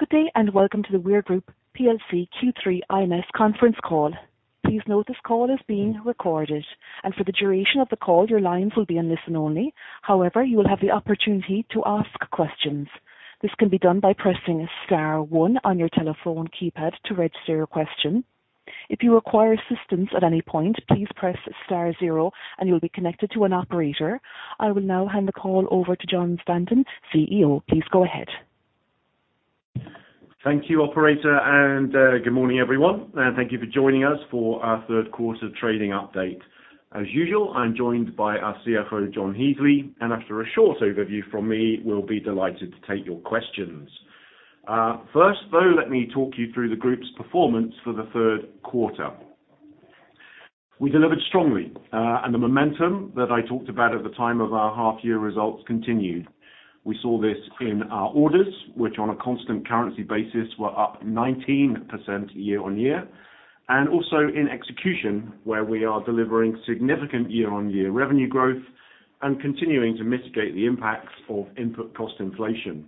Good day and welcome to The Weir Group PLC Q3 IMS Conference Call. Please note this call is being recorded, and for the duration of the call, your lines will be on listen only. However, you will have the opportunity to ask questions. This can be done by pressing star one on your telephone keypad to register your question. If you require assistance at any point, please press star zero and you'll be connected to an operator. I will now hand the call over to Jon Stanton, CEO. Please go ahead. Thank you, operator, and good morning, everyone. Thank you for joining us for our third quarter trading update. As usual, I'm joined by our CFO, John Heasley, and after a short overview from me, we'll be delighted to take your questions. First, though, let me talk you through the group's performance for the third quarter. We delivered strongly, and the momentum that I talked about at the time of our half year results continued. We saw this in our orders, which on a constant currency basis, were up 19% year-on-year, and also in execution, where we are delivering significant year-on-year revenue growth and continuing to mitigate the impacts of input cost inflation.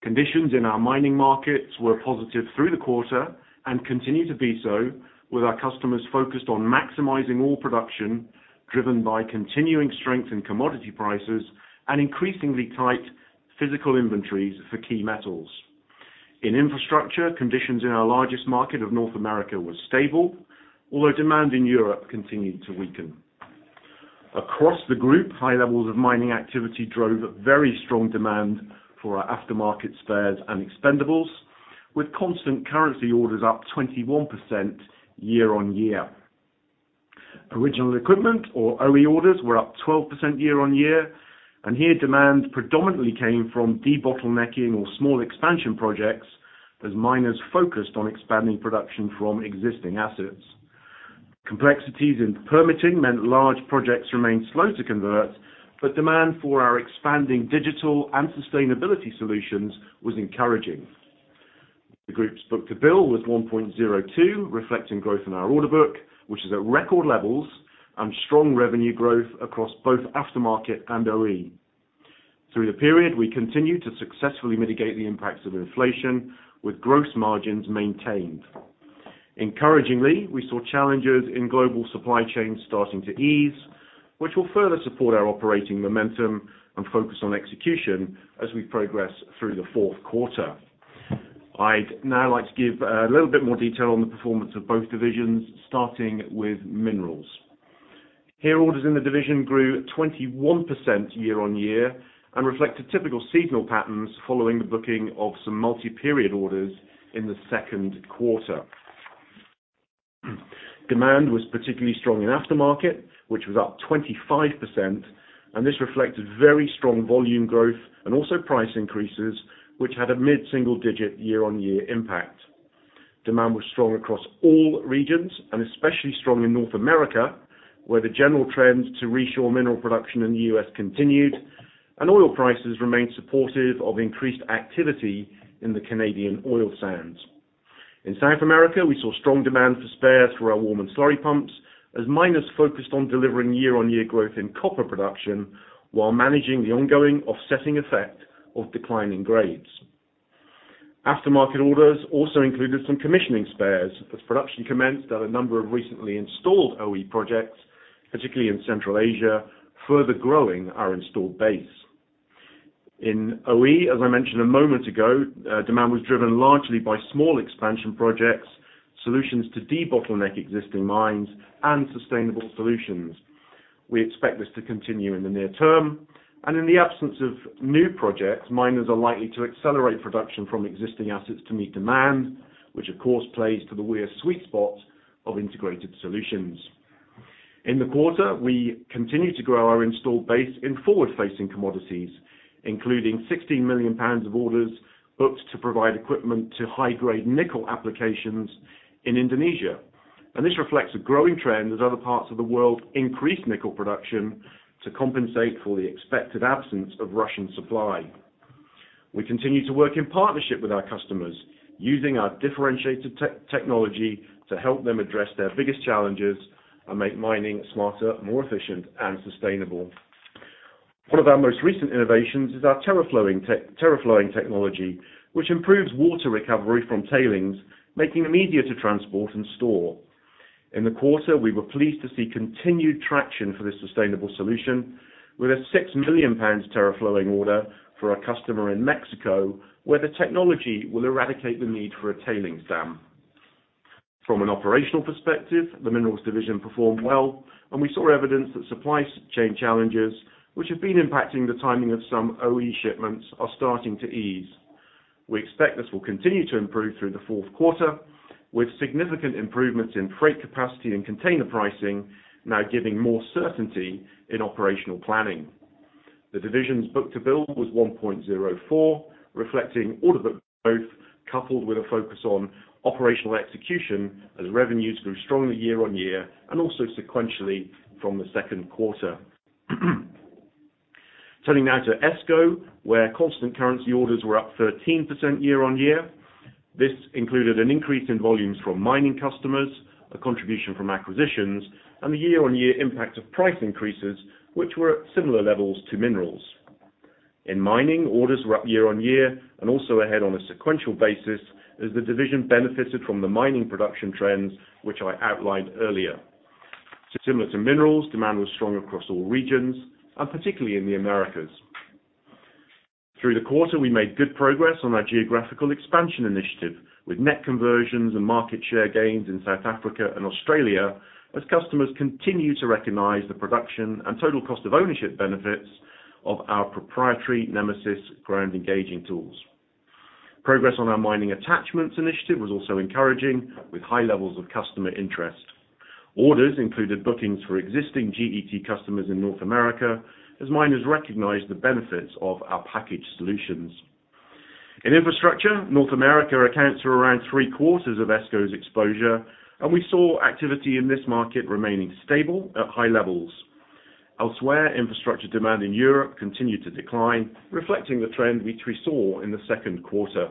Conditions in our mining markets were positive through the quarter and continue to be so with our customers focused on maximizing all production, driven by continuing strength in commodity prices and increasingly tight physical inventories for key metals. In infrastructure, conditions in our largest market of North America were stable, although demand in Europe continued to weaken. Across the group, high levels of mining activity drove very strong demand for our aftermarket spares and expendables, with constant currency orders up 21% year-on-year. Original equipment or OE orders were up 12% year-on-year, and here demand predominantly came from de-bottlenecking or small expansion projects as miners focused on expanding production from existing assets. Complexities in permitting meant large projects remained slow to convert, but demand for our expanding digital and sustainability solutions was encouraging. The group's book-to-bill was 1.02, reflecting growth in our order book, which is at record levels, and strong revenue growth across both aftermarket and OE. Through the period, we continued to successfully mitigate the impacts of inflation with gross margins maintained. Encouragingly, we saw challenges in global supply chains starting to ease, which will further support our operating momentum and focus on execution as we progress through the fourth quarter. I'd now like to give a little bit more detail on the performance of both divisions, starting with minerals. Here, orders in the division grew 21% year-on-year and reflect a typical seasonal patterns following the booking of some multi-period orders in the second quarter. Demand was particularly strong in aftermarket, which was up 25%, and this reflected very strong volume growth and also price increases, which had a mid-single digit year-on-year impact. Demand was strong across all regions and especially strong in North America, where the general trend to reshore mineral production in the U.S. continued and oil prices remained supportive of increased activity in the Canadian oil sands. In South America, we saw strong demand for spares for our Warman slurry pumps as miners focused on delivering year-on-year growth in copper production while managing the ongoing offsetting effect of declining grades. Aftermarket orders also included some commissioning spares as production commenced at a number of recently installed OE projects, particularly in Central Asia, further growing our installed base. In OE, as I mentioned a moment ago, demand was driven largely by small expansion projects, solutions to de-bottleneck existing mines and sustainable solutions. We expect this to continue in the near term, and in the absence of new projects, miners are likely to accelerate production from existing assets to meet demand, which of course plays to the Weir sweet spot of integrated solutions. In the quarter, we continued to grow our installed base in forward-facing commodities, including 16 million pounds of orders booked to provide equipment to high-grade nickel applications in Indonesia. This reflects a growing trend as other parts of the world increase nickel production to compensate for the expected absence of Russian supply. We continue to work in partnership with our customers, using our differentiated tech, technology to help them address their biggest challenges and make mining smarter, more efficient, and sustainable. One of our most recent innovations is our TerraFlowing tech, TerraFlowing technology, which improves water recovery from tailings, making them easier to transport and store. In the quarter, we were pleased to see continued traction for this sustainable solution with a 6 million pounds TerraFlowing order for a customer in Mexico, where the technology will eradicate the need for a tailings dam. From an operational perspective, the minerals division performed well, and we saw evidence that supply chain challenges, which have been impacting the timing of some OE shipments, are starting to ease. We expect this will continue to improve through the fourth quarter, with significant improvements in freight capacity and container pricing now giving more certainty in operational planning. The division's book-to-bill was 1.04, reflecting order book growth coupled with a focus on operational execution as revenues grew strongly year-on-year and also sequentially from the second quarter. Turning now to ESCO, where constant currency orders were up 13% year-on-year. This included an increase in volumes from mining customers, a contribution from acquisitions, and the year-on-year impact of price increases, which were at similar levels to minerals. In mining, orders were up year-on-year and also ahead on a sequential basis as the division benefited from the mining production trends which I outlined earlier. Similar to minerals, demand was strong across all regions and particularly in the Americas. Through the quarter, we made good progress on our geographical expansion initiative, with net conversions and market share gains in South Africa and Australia as customers continue to recognize the production and total cost of ownership benefits of our proprietary Nemisys ground engaging tools. Progress on our mining attachments initiative was also encouraging, with high levels of customer interest. Orders included bookings for existing GET customers in North America as miners recognized the benefits of our packaged solutions. In infrastructure, North America accounts for around three-quarters of ESCO's exposure, and we saw activity in this market remaining stable at high levels. Elsewhere, infrastructure demand in Europe continued to decline, reflecting the trend which we saw in the second quarter.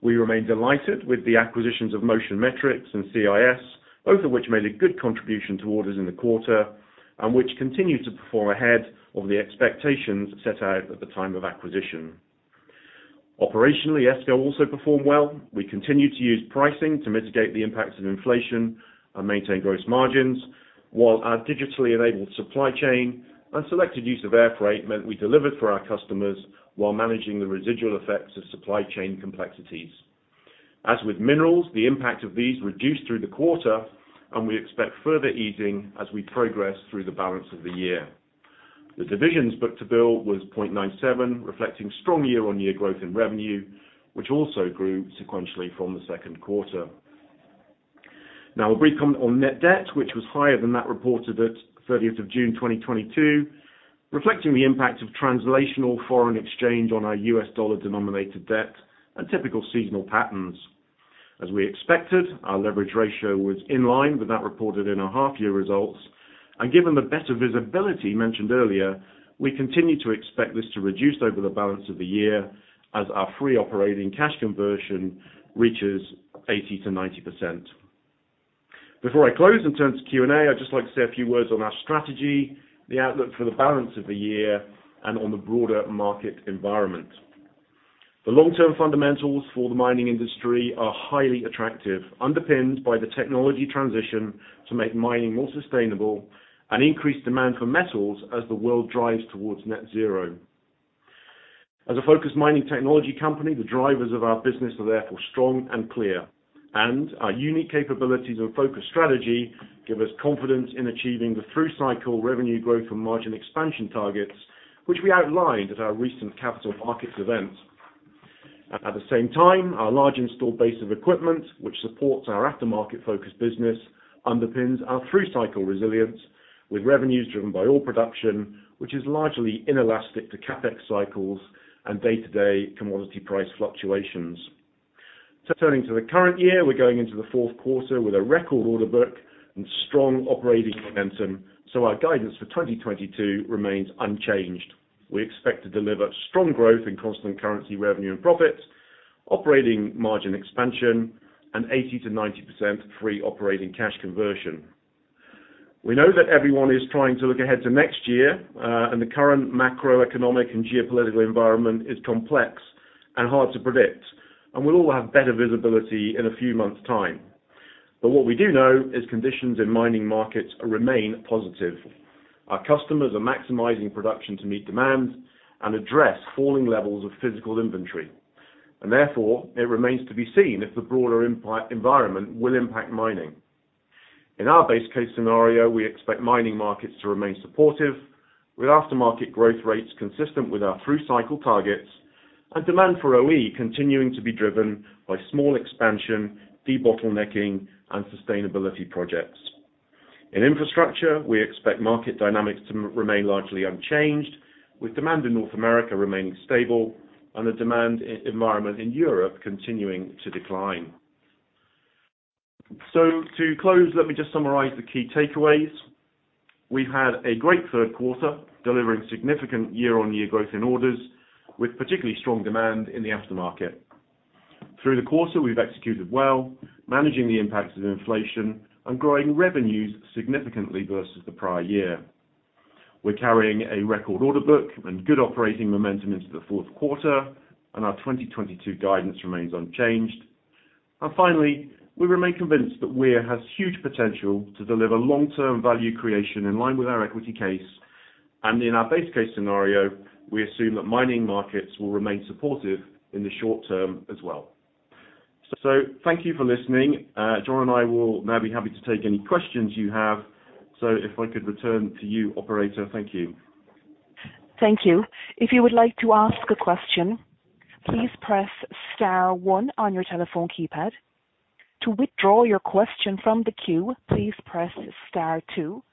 We remain delighted with the acquisitions of Motion Metrics and CiDRA, both of which made a good contribution to orders in the quarter and which continue to perform ahead of the expectations set out at the time of acquisition. Operationally, ESCO also performed well. We continue to use pricing to mitigate the impacts of inflation and maintain gross margins, while our digitally enabled supply chain and selected use of air freight meant we delivered for our customers while managing the residual effects of supply chain complexities. As with minerals, the impact of these reduced through the quarter, and we expect further easing as we progress through the balance of the year. The division's book-to-bill was 0.97, reflecting strong year-on-year growth in revenue, which also grew sequentially from the second quarter. Now a brief comment on net debt, which was higher than that reported at 30th of June 2022, reflecting the impact of translation foreign exchange on our U.S. dollar denominated debt and typical seasonal patterns. As we expected, our leverage ratio was in line with that reported in our half year results. And given the better visibility mentioned earlier, we continue to expect this to reduce over the balance of the year as our free operating cash conversion reaches 80%-90%. Before I close and turn to Q&A, I'd just like to say a few words on our strategy, the outlook for the balance of the year, and on the broader market environment. The long-term fundamentals for the mining industry are highly attractive, underpinned by the technology transition to make mining more sustainable and increased demand for metals as the world drives towards net zero. As a focused mining technology company, the drivers of our business are therefore strong and clear, and our unique capabilities and focused strategy give us confidence in achieving the through-cycle revenue growth and margin expansion targets which we outlined at our recent capital markets event. At the same time, our large installed base of equipment, which supports our aftermarket-focused business, underpins our through-cycle resilience with revenues driven by ore production, which is largely inelastic to CapEx cycles and day-to-day commodity price fluctuations. Turning to the current year, we're going into the fourth quarter with a record order book and strong operating momentum, so our guidance for 2022 remains unchanged. We expect to deliver strong growth in constant currency revenue and profits, operating margin expansion, and 80%-90% free operating cash conversion. We know that everyone is trying to look ahead to next year, and the current macroeconomic and geopolitical environment is complex and hard to predict, and we'll all have better visibility in a few months' time. What we do know is conditions in mining markets remain positive. Our customers are maximizing production to meet demand and address falling levels of physical inventory, and therefore it remains to be seen if the broader environment will impact mining. In our base case scenario, we expect mining markets to remain supportive, with aftermarket growth rates consistent with our through-cycle targets and demand for OE continuing to be driven by small expansion, debottlenecking, and sustainability projects. In infrastructure, we expect market dynamics to remain largely unchanged, with demand in North America remaining stable and the demand environment in Europe continuing to decline. So to close, let me just summarize the key takeaways. We've had a great third quarter, delivering significant year-on-year growth in orders with particularly strong demand in the aftermarket. Through the quarter, we've executed well, managing the impacts of inflation and growing revenues significantly versus the prior year. We're carrying a record order book and good operating momentum into the fourth quarter, and our 2022 guidance remains unchanged. Finally, we remain convinced that Weir has huge potential to deliver long-term value creation in line with our equity case. In our base case scenario, we assume that mining markets will remain supportive in the short term as well. So thank you for listening. John and I will now be happy to take any questions you have. If I could return to you, operator. Thank you. Thank you. If you would like to ask a question, please press star one on your telephone keypad. To withdraw your question from the queue, please press star two.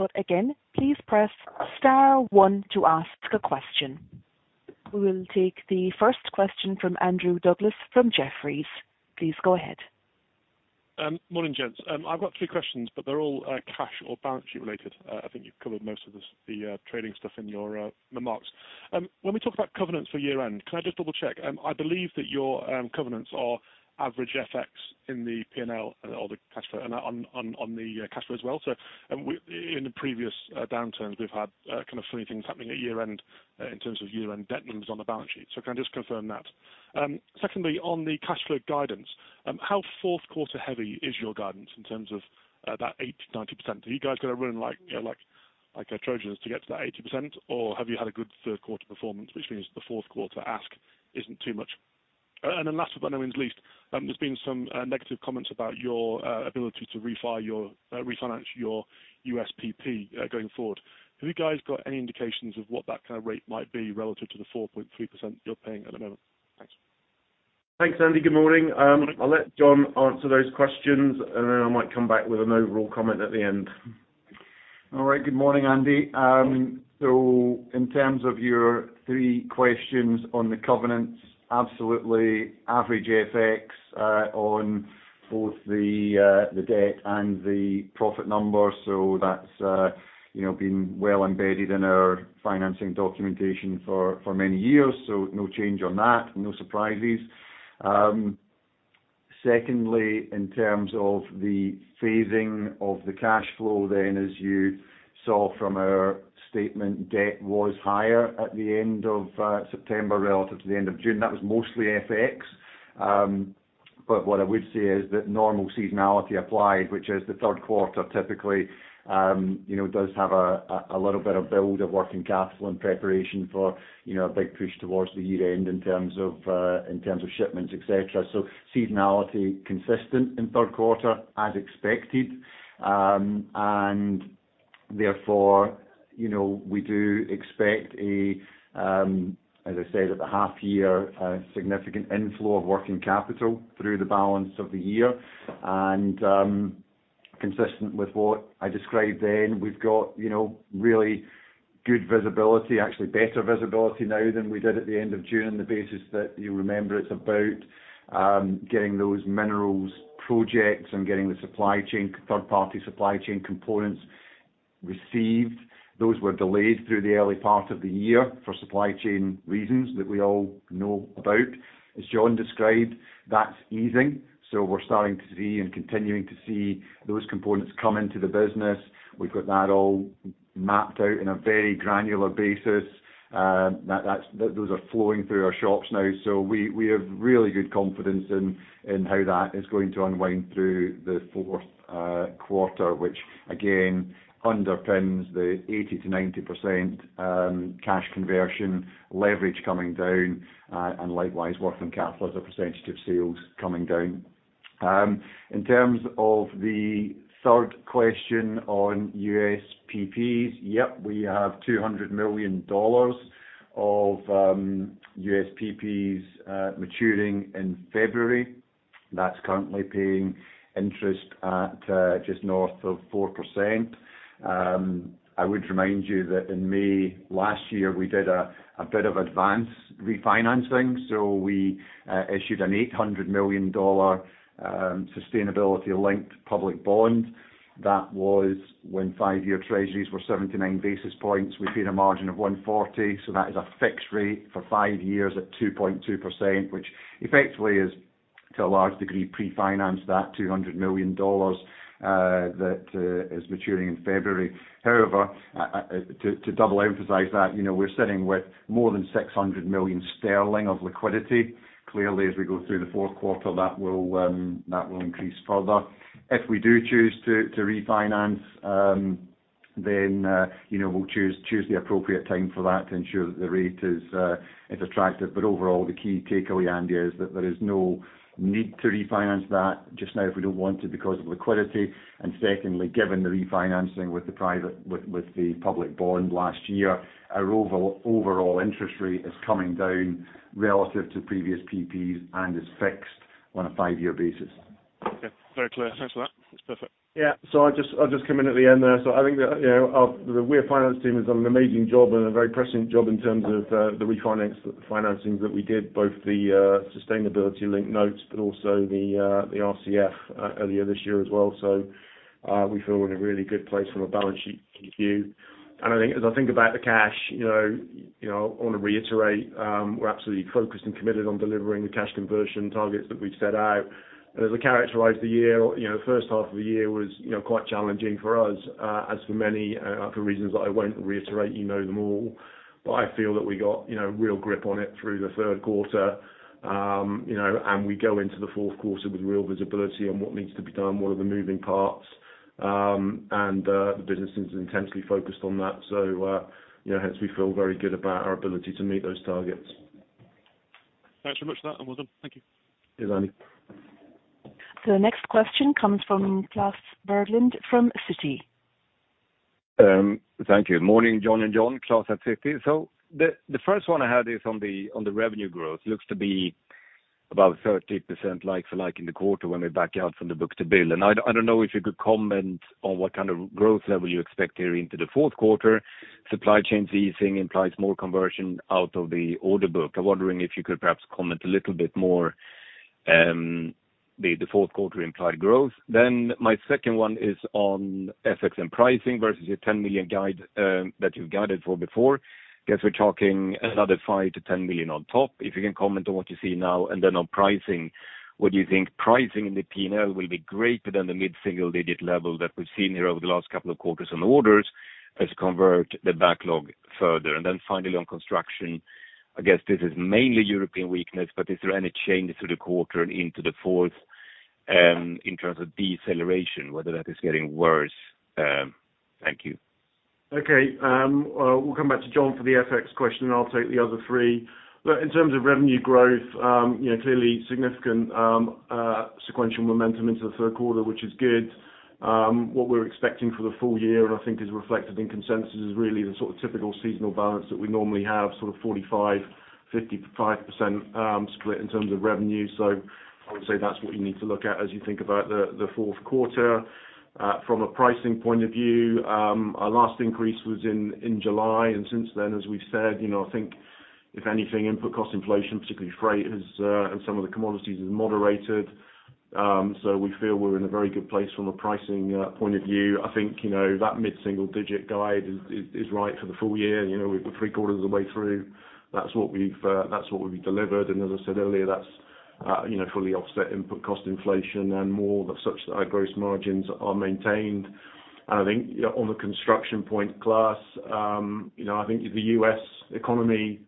But again, please press star one to ask a question. We will take the first question from Andrew Douglas from Jefferies. Please go ahead. Morning, gents. I've got three questions, but they're all cash or balance sheet related. I think you've covered most of the trading stuff in your remarks. When we talk about covenants for year-end, can I just double-check? I believe that your covenants are average FX in the P&L or the cash flow and on the cash flow as well. In the previous downturns, we've had kind of funny things happening at year-end in terms of year-end debt limits on the balance sheet. Can I just confirm that? And secondly, on the cash flow guidance, how fourth quarter heavy is your guidance in terms of that 80%-90%? Are you guys gonna run like, you know, like Trojans to get to that 80%, or have you had a good third quarter performance, which means the fourth quarter ask isn't too much? Last but by no means least, there's been some negative comments about your ability to refinance your USPP going forward. Have you guys got any indications of what that kind of rate might be relative to the 4.3% you're paying at the moment? Thanks. Thanks, Andy. Good morning. I'll let John answer those questions, and then I might come back with an overall comment at the end. All right. Good morning, Andy. In terms of your three questions on the covenants, absolutely average FX on both the debt and the profit numbers. So that's you know, been well embedded in our financing documentation for many years. No change on that. No surprises. Secondly, in terms of the phasing of the cash flow, then, as you saw from our statement, debt was higher at the end of September relative to the end of June. That was mostly FX. What I would say is that normal seasonality applied, which is the third quarter typically you know, does have a little bit of build of working capital in preparation for you know, a big push towards the year end in terms of shipments, et cetera. Seasonality consistent in third quarter as expected. Therefore, you know, we do expect a, as I said, at the half year, a significant inflow of working capital through the balance of the year. Consistent with what I described then, we've got, you know, really good visibility, actually better visibility now than we did at the end of June on the basis that you remember it's about, getting those minerals projects and getting the supply chain, third party supply chain components received. Those were delayed through the early part of the year for supply chain reasons that we all know about. As Jon described, that's easing. We're starting to see and continuing to see those components come into the business. We've got that all mapped out in a very granular basis. Those are flowing through our shops now. We have really good confidence in how that is going to unwind through the fourth quarter, which again underpins the 80%-90% cash conversion leverage coming down, and likewise, working capital as a percentage of sales coming down. In terms of the third question on USPPs, we have $200 million of USPPs maturing in February. That's currently paying interest at just north of 4%. I would remind you that in May last year, we did a bit of advance refinancing. So we issued an $800 million sustainability-linked public bond. That was when five-year treasuries were 79 basis points. We paid a margin of 140, so that is a fixed rate for five years at 2.2%, which effectively is to a large degree pre-financed that $200 million that is maturing in February. However, to double emphasize that, you know, we're sitting with more than 600 million sterling of liquidity. Clearly, as we go through the fourth quarter, that will increase further. If we do choose to refinance, then you know, we'll choose the appropriate time for that to ensure that the rate is attractive. But overall, the key takeaway, Andy, is that there is no need to refinance that just now if we don't want to because of liquidity. And secondly, given the refinancing with the public bond last year, our overall interest rate is coming down relative to previous PPs and is fixed on a five-year basis. Okay, very clear. Thanks for that. That's perfect. Yeah. I'll just come in at the end there. I think that, you know, our Weir finance team has done an amazing job and a very prescient job in terms of the financings that we did, both the sustainability-linked notes, but also the RCF earlier this year as well. We feel we're in a really good place from a balance sheet view. And i think, as I think about the cash, you know, I want to reiterate, we're absolutely focused and committed on delivering the cash conversion targets that we've set out. As I characterize the year, you know, first half of the year was, you know, quite challenging for us, as for many, for reasons that I won't reiterate, you know them all. But i feel that we got, you know, real grip on it through the third quarter, you know, and we go into the fourth quarter with real visibility on what needs to be done, what are the moving parts, and the business is intensely focused on that. So you know, hence we feel very good about our ability to meet those targets. Thanks very much for that. I'm all done. Thank you. Cheers, Andy. The next question comes from Klas Bergelind, from Citi. Thank you. Morning, Jon and John, Klas at Citi. The first one I had is on the revenue growth. Looks to be about 30% like for like in the quarter when we back out from the book-to-bill. I don't know if you could comment on what kind of growth level you expect here into the fourth quarter. Supply chains easing implies more conversion out of the order book. I'm wondering if you could perhaps comment a little bit more. The fourth quarter implied growth. My second one is on FX and pricing versus your 10 million guide that you've guided for before. Guess we're talking another 5 million-10 million on top. If you can comment on what you see now and then on pricing, would you think pricing in the P&L will be greater than the mid-single digit level that we've seen here over the last couple of quarters on the orders as you convert the backlog further? Finally, on construction, I guess this is mainly European weakness, but is there any change through the quarter and into the fourth in terms of deceleration, whether that is getting worse? Thank you. Okay. We'll come back to John for the FX question, and I'll take the other three. Look, in terms of revenue growth, you know, clearly significant, sequential momentum into the third quarter, which is good. What we're expecting for the full year, and I think is reflected in consensus, is really the sort of typical seasonal balance that we normally have, sort of 45%-55% split in terms of revenue. I would say that's what you need to look at as you think about the fourth quarter. From a pricing point of view, our last increase was in July. Since then, as we've said, you know, I think if anything, input cost inflation, particularly freight has and some of the commodities has moderated. So we feel we're in a very good place from a pricing point of view. I think, you know, that mid-single digit guide is right for the full year. You know, we're three quarters of the way through. That's what we've delivered. As I said earlier, that's, you know, fully offset input cost inflation and more such that our gross margins are maintained. I think, you know, on the construction point, Klas, you know, I think the U.S. economy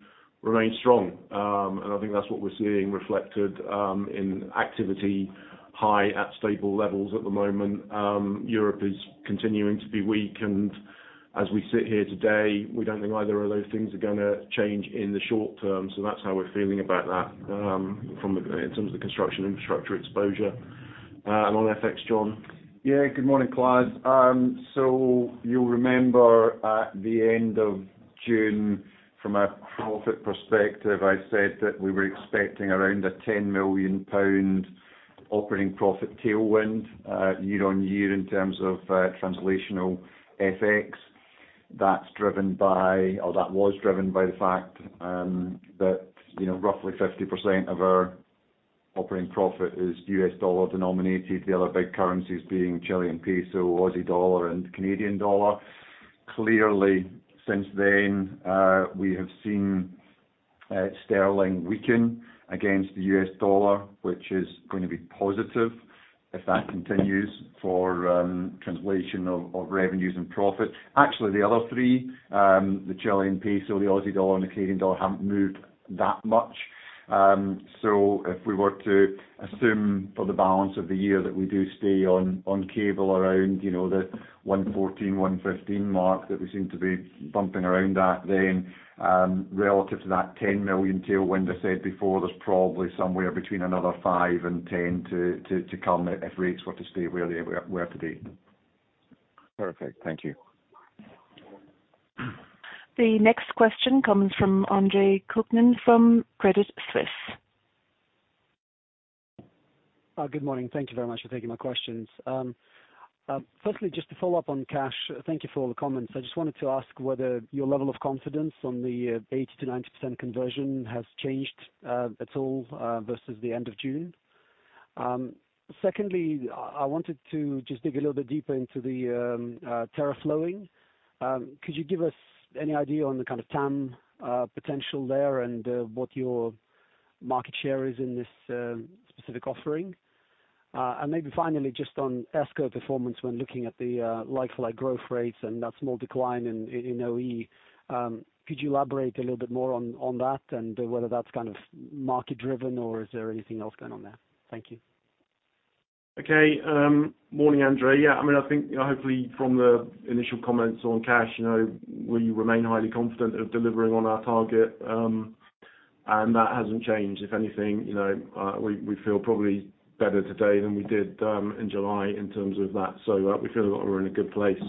remains strong. I think that's what we're seeing reflected in activity high at stable levels at the moment. Europe is continuing to be weak and as we sit here today, we don't think either of those things are gonna change in the short term. So that's how we're feeling about that, in terms of the construction infrastructure exposure. On FX, John? Yeah. Good morning, Klas. You'll remember at the end of June from a profit perspective, I said that we were expecting around 10 million pound operating profit tailwind year-on-year in terms of translational FX. That's driven by, or that was driven by the fact that you know roughly 50% of our operating profit is U.S. dollar denominated, the other big currencies being Chilean peso, Aussie dollar, and Canadian dollar. Clearly since then we have seen sterling weaken against the U.S. dollar, which is going to be positive if that continues for translation of revenues and profit. Actually, the other three, the Chilean peso, the Aussie dollar, and the Canadian dollar haven't moved that much. So if we were to assume for the balance of the year that we do stay on cable around, you know, the 1.14, 1.15 mark that we seem to be bumping around at, then relative to that 10 million tailwind I said before, there's probably somewhere between another 5 million and 10 million to come if rates were to stay where they were today. Perfect. Thank you. The next question comes from Andre Kukhnin from Credit Suisse. Good morning. Thank you very much for taking my questions. Firstly, just to follow up on cash, thank you for all the comments. I just wanted to ask whether your level of confidence on the 80%-90% conversion has changed at all versus the end of June. Secondly, I wanted to just dig a little bit deeper into the TerraFlowing. Could you give us any idea on the kind of TAM potential there and what your market share is in this specific offering? Maybe finally, just on ESCO performance when looking at the like for like growth rates and that small decline in OE, could you elaborate a little bit more on that and whether that's kind of market driven or is there anything else going on there? Thank you. Okay. Morning, Andre. Yeah, I mean, I think hopefully from the initial comments on cash, you know, we remain highly confident of delivering on our target, and that hasn't changed. If anything, you know, we feel probably better today than we did in July in terms of that. So we feel that we're in a good place.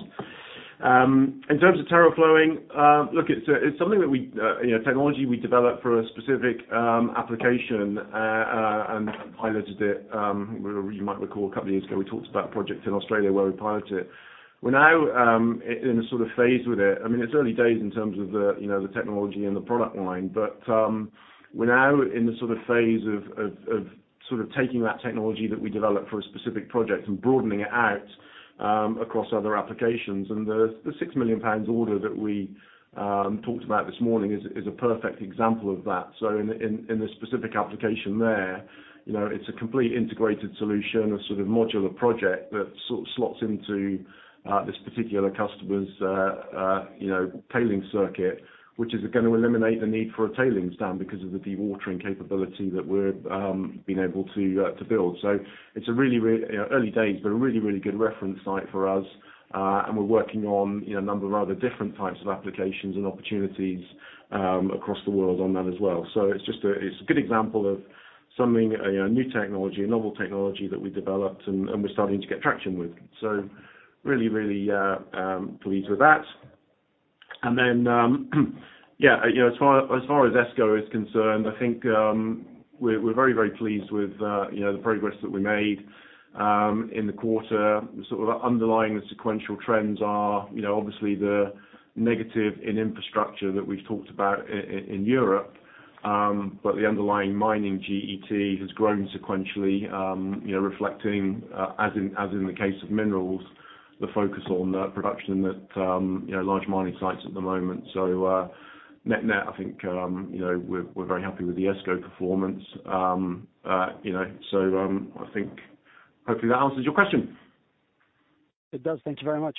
In terms of TerraFlowing, look, it's something that we, you know, technology we developed for a specific application, and piloted it. You might recall a couple of years ago, we talked about projects in Australia where we pilot it. We're now in a sort of phase with it. I mean, it's early days in terms of the, you know, the technology and the product line, but we're now in the sort of phase of sort of taking that technology that we developed for a specific project and broadening it out across other applications. The 6 million pounds order that we talked about this morning is a perfect example of that. In the specific application there, you know, it's a complete integrated solution, a sort of modular project that sort of slots into this particular customer's, you know, tailings circuit, which is gonna eliminate the need for a tailings dam because of the dewatering capability that we've been able to build. It's a really early days, but a really good reference site for us, and we're working on, you know, a number of other different types of applications and opportunities, across the world on that as well. It's a good example of something, a new technology, a novel technology that we developed and we're starting to get traction with. Really pleased with that. And then, yeah, you know, as far as ESCO is concerned. I think, we're very pleased with, you know, the progress that we made, in the quarter. Sort of underlying the sequential trends are, you know, obviously the negative in infrastructure that we've talked about in Europe, but the underlying mining GET has grown sequentially, you know, reflecting, as in the case of minerals, the focus on production at, you know, large mining sites at the moment. Net, I think, you know, we're very happy with the ESCO performance. You know, I think hopefully that answers your question. It does. Thank you very much.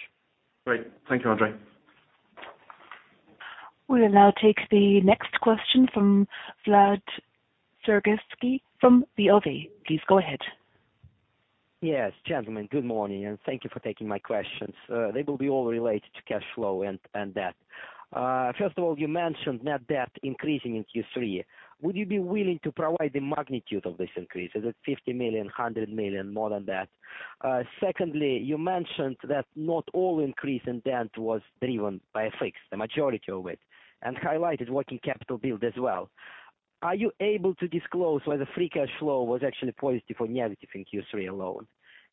Great. Thank you, Andre. We will now take the next question from Vlad Sergievskiy from. Please go ahead. Yes, gentlemen, good morning, and thank you for taking my questions. They will be all related to cash flow and debt. First of all, you mentioned net debt increasing in Q3. Would you be willing to provide the magnitude of this increase? Is it 50 million, 100 million, more than that? Secondly, you mentioned that not all increase in debt was driven by FX, the majority of it, and highlighted working capital build as well. Are you able to disclose whether free cash flow was actually positive or negative in Q3 alone?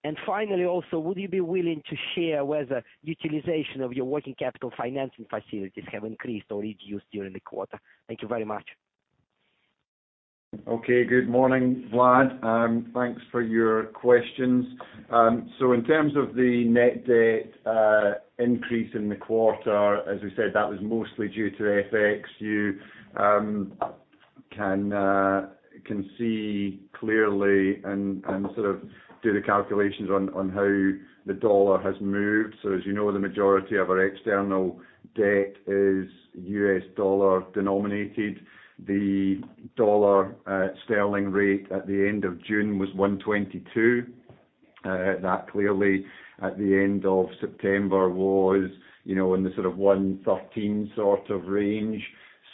And finally, also, would you be willing to share whether utilization of your working capital financing facilities have increased or reduced during the quarter? Thank you very much. Okay. Good morning, Vlad. Thanks for your questions. So in terms of the net debt increase in the quarter, as we said, that was mostly due to FX. You can see clearly and sort of do the calculations on how the dollar has moved. As you know, the majority of our external debt is U.S. dollar denominated. The dollar sterling rate at the end of June was 1.22. That clearly at the end of September was, you know, in the sort of 1.13 sort of range.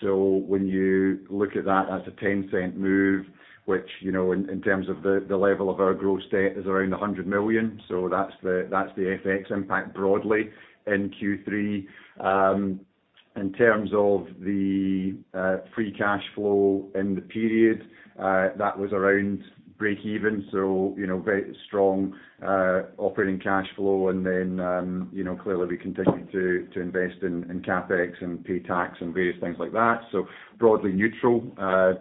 So when you look at that's a 0.10 move, which, you know, in terms of the level of our gross debt is around 100 million. That's the FX impact broadly in Q3. In terms of the free cash flow in the period, that was around breakeven, so you know, very strong operating cash flow and then you know, clearly we continued to invest in CapEx and pay tax and various things like that, so broadly neutral.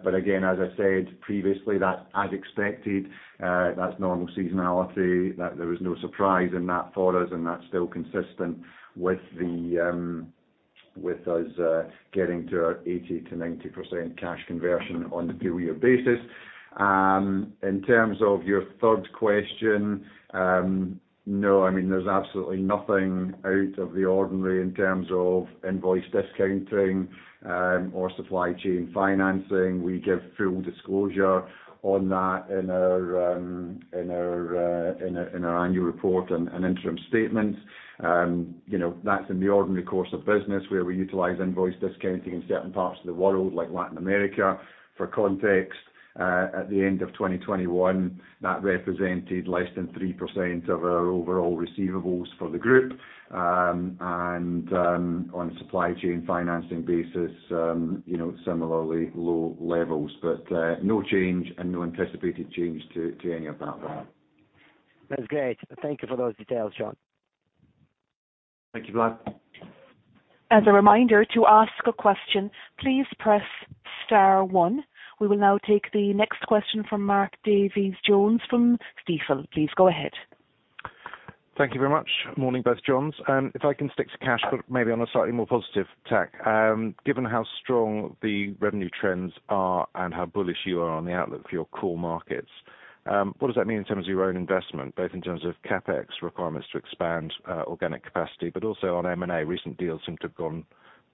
But again, as I said previously, that as expected, that's normal seasonality, that there was no surprise in that for us, and that's still consistent with us getting to our 80%-90% cash conversion on the full year basis. In terms of your third question, no, I mean, there's absolutely nothing out of the ordinary in terms of invoice discounting or supply chain financing. We give full disclosure on that in our annual report and interim statements. You know, that's in the ordinary course of business where we utilize invoice discounting in certain parts of the world, like Latin America. For context, at the end of 2021, that represented less than 3% of our overall receivables for the group. On a supply chain financing basis, you know, similarly low levels, but no change and no anticipated change to any of that. That's great. Thank you for those details, John. Thank you, Vlad. As a reminder, to ask a question, please press star one. We will now take the next question from Mark Davies Jones from Stifel. Please go ahead. Thank you very much. Morning, both Johns. If I can stick to cash, but maybe on a slightly more positive tack. Given how strong the revenue trends are and how bullish you are on the outlook for your core markets, what does that mean in terms of your own investment, both in terms of CapEx requirements to expand, organic capacity, but also on M&A, recent deals seem to have gone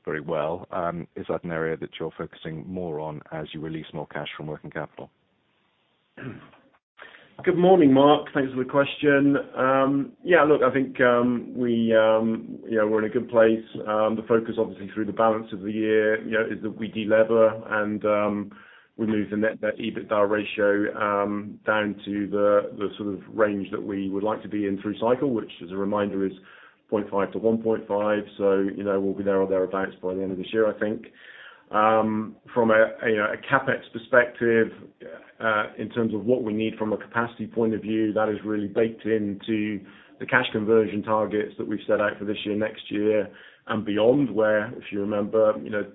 very well. Is that an area that you're focusing more on as you release more cash from working capital? Good morning, Mark. Thanks for the question. Yeah, look, I think, we, you know, we're in a good place. The focus obviously through the balance of the year, you know, is that we delever and, we move the net debt EBITDA ratio, down to the sort of range that we would like to be in through cycle, which as a reminder, is 0.5-1.5. So you know, we'll be there or thereabouts by the end of this year, I think. From a CapEx perspective, in terms of what we need from a capacity point of view, that is really baked into the cash conversion targets that we've set out for this year, next year and beyond where, if you remember, you know,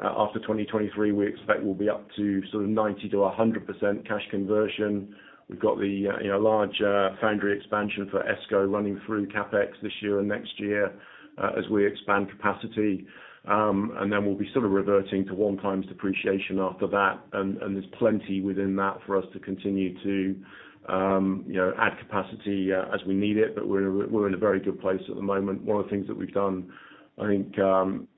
after 2023, we expect we'll be up to sort of 90%-100% cash conversion. We've got the you know large foundry expansion for ESCO running through CapEx this year and next year, as we expand capacity. Then we'll be sort of reverting to 1x depreciation after that. There's plenty within that for us to continue to you know add capacity, as we need it, but we're in a very good place at the moment. One of the things that we've done, I think, you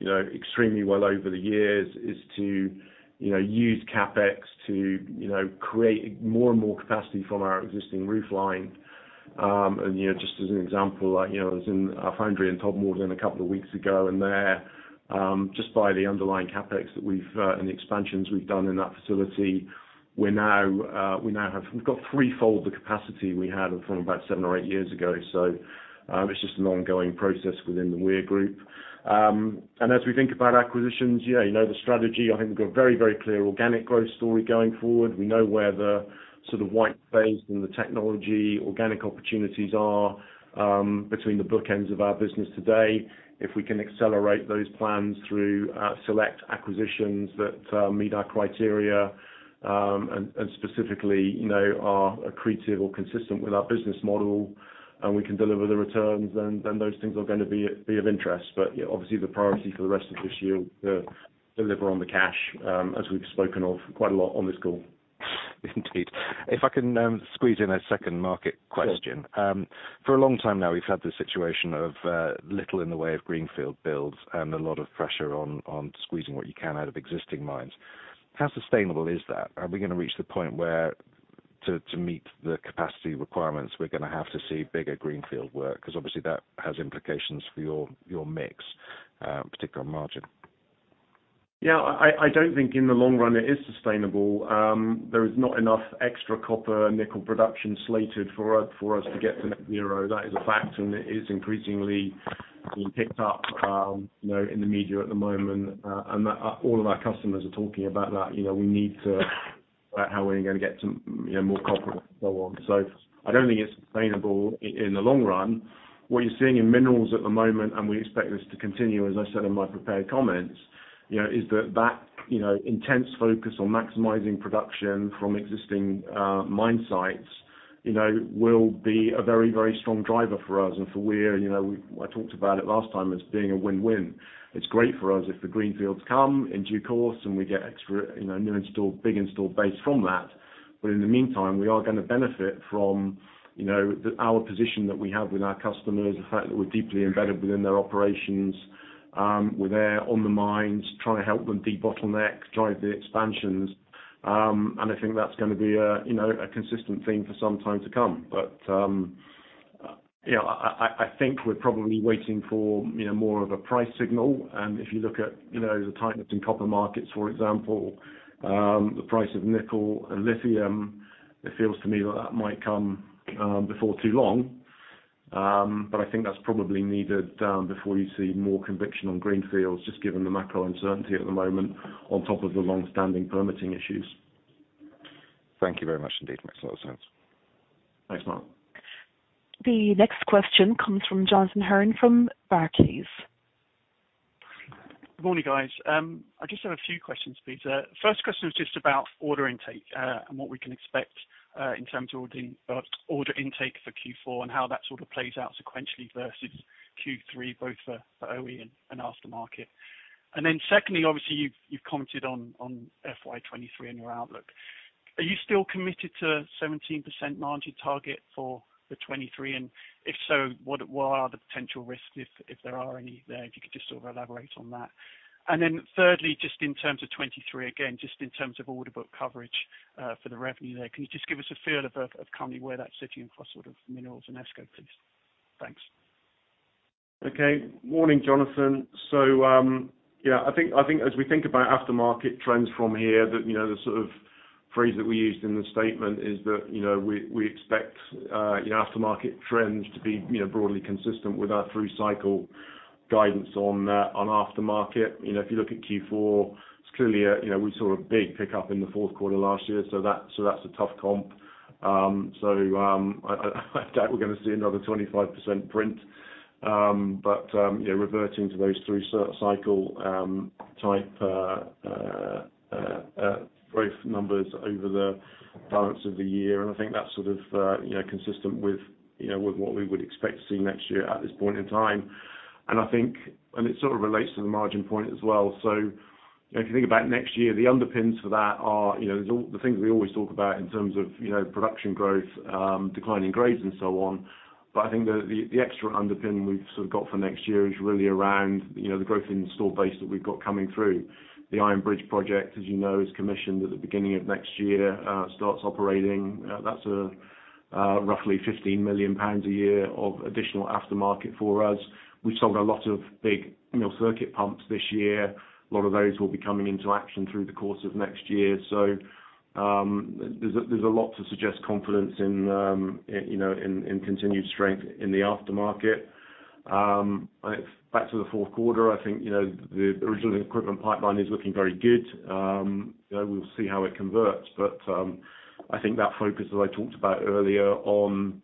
know, extremely well over the years is to, you know, use CapEx to, you know, create more and more capacity from our existing roof line. You know, just as an example, like, you know, I was in our foundry in Todmorden a couple of weeks ago, and there, just by the underlying CapEx that we've and the expansions we've done in that facility. We've got threefold the capacity we had from about seven or eight years ago. It's just an ongoing process within the Weir Group. And as we think about acquisitions, yeah, you know the strategy. I think we've got a very, very clear organic growth story going forward. We know where the sort of white space and the technology organic opportunities are between the bookends of our business today. If we can accelerate those plans through select acquisitions that meet our criteria, and specifically, you know, are accretive or consistent with our business model, and we can deliver the returns, then those things are gonna be of interest. Yeah, obviously the priority for the rest of this year, deliver on the cash, as we've spoken of quite a lot on this call. Indeed. If I can, squeeze in a second market question. Sure. For a long time now, we've had this situation of little in the way of greenfield builds and a lot of pressure on squeezing what you can out of existing mines. How sustainable is that? Are we gonna reach the point where to meet the capacity requirements, we're gonna have to see bigger greenfield work? Because obviously, that has implications for your mix, particular margin. Yeah. I don't think in the long run it is sustainable. There is not enough extra copper and nickel production slated for us to get to net zero. That is a fact, and it is increasingly being picked up, you know, in the media at the moment. All of our customers are talking about that. You know, about how we're gonna get some, you know, more copper and so on. I don't think it's sustainable in the long run. What you're seeing in minerals at the moment, and we expect this to continue, as I said in my prepared comments, you know, is that, you know, intense focus on maximizing production from existing mine sites, you know, will be a very, very strong driver for us and for Weir. You know, I talked about it last time as being a win-win. It's great for us if the greenfields come in due course and we get extra, you know, new installed, big installed base from that, but in the meantime, we are gonna benefit from, you know, our position that we have with our customers, the fact that we're deeply embedded within their operations. We're there on the mines, trying to help them debottleneck, drive the expansions. And i think that's gonna be a, you know, a consistent theme for some time to come. You know, I think we're probably waiting for, you know, more of a price signal. If you look at, you know, the tightness in copper markets, for example, the price of nickel and lithium, it feels to me like that might come before too long. But i think that's probably needed before you see more conviction on greenfields, just given the macro uncertainty at the moment on top of the long-standing permitting issues. Thank you very much indeed. Makes a lot of sense. Thanks, Mark. The next question comes from Jonathan Hurn from Barclays. Good morning, guys. I just have a few questions, please. First question is just about order intake, and what we can expect, in terms of order intake for Q4 and how that sort of plays out sequentially versus Q3, both for OE and aftermarket. And then secondly, obviously you've commented on FY 2023 and your outlook. Are you still committed to 17% margin target for 2023? And if so, what are the potential risks, if there are any there? If you could just sort of elaborate on that. And then thirdly, just in terms of 2023, again, just in terms of order book coverage, for the revenue there, can you just give us a feel of currently where that's sitting across sort of minerals and ESCO, please? Thanks. Okay. Morning, Jonathan. I think as we think about aftermarket trends from here, you know, the sort of phrase that we used in the statement is that, you know, we expect, you know, aftermarket trends to be, you know, broadly consistent with our through-cycle guidance on aftermarket. You know, if you look at Q4, it's clearly, you know, we saw a big pickup in the fourth quarter last year, so that's a tough comp. I doubt we're gonna see another 25% print. But yeah, reverting to those through-cycle type growth numbers over the balance of the year, and I think that's sort of, you know, consistent with, you know, with what we would expect to see next year at this point in time. And i think, and it sort of relates to the margin point as well. You know, if you think about next year, the underpins for that are, you know, the things we always talk about in terms of, you know, production growth, declining grades and so on. I think the extra underpin we've sort of got for next year is really around, you know, the growth in the store base that we've got coming through. The Iron Bridge project, as you know, is commissioned at the beginning of next year, starts operating. That's roughly 15 million pounds a year of additional aftermarket for us. We've sold a lot of big mill circuit pumps this year. A lot of those will be coming into action through the course of next year. So there's a lot to suggest confidence in, you know, in continued strength in the aftermarket. I think back to the fourth quarter, I think, you know, the original equipment pipeline is looking very good. You know, we'll see how it converts. I think that focus that I talked about earlier on,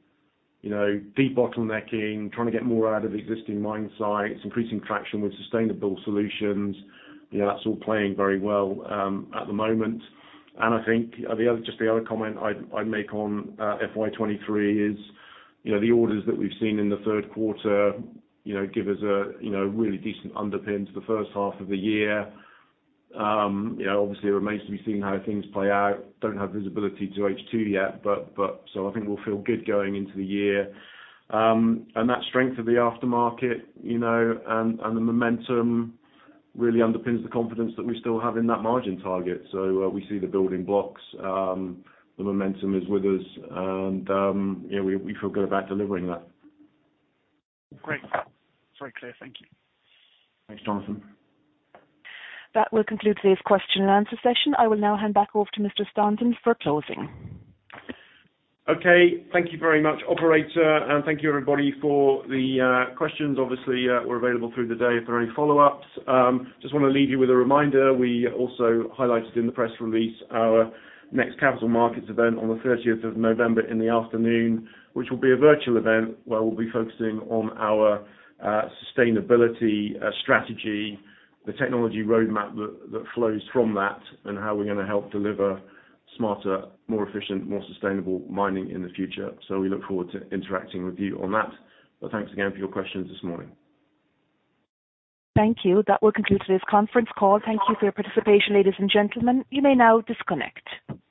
you know, debottlenecking, trying to get more out of existing mine sites, increasing traction with sustainable solutions, you know, that's all playing very well at the moment. I think the other comment I'd make on FY 2023 is, you know, the orders that we've seen in the third quarter, you know, give us a, you know, really decent underpin to the first half of the year. You know, obviously it remains to be seen how things play out. Don't have visibility to H2 yet, but so I think we'll feel good going into the year. That strength of the aftermarket, you know, and the momentum really underpins the confidence that we still have in that margin target. We see the building blocks. The momentum is with us, and, you know, we feel good about delivering that. Great. Very clear. Thank you. Thanks, Jonathan. That will conclude today's question and answer session. I will now hand back off to Jon Stanton for closing. Okay. Thank you very much, operator, and thank you everybody for the questions. Obviously, we're available through the day if there are any follow-ups. Just wanna leave you with a reminder, we also highlighted in the press release our next capital markets event on the 30th of November in the afternoon, which will be a virtual event where we'll be focusing on our sustainability strategy, the technology roadmap that flows from that, and how we're gonna help deliver smarter, more efficient, more sustainable mining in the future. We look forward to interacting with you on that. Thanks again for your questions this morning. Thank you. That will conclude today's conference call. Thank you for your participation, ladies and gentlemen. You may now disconnect.